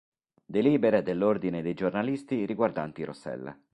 Delibere dell'ordine dei giornalisti riguardanti Rossella